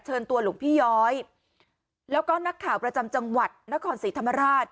ตัวหลวงพี่ย้อยแล้วก็นักข่าวประจำจังหวัดนครศรีธรรมราช